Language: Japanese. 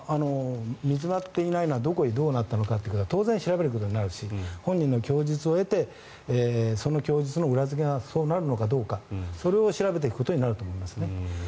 煮詰まっていないはどこでどうなったのかというのか当然調べることになりますし本人の供述を得てその供述の裏付けがそうなるのかどうかそれを調べていくことになると思いますね。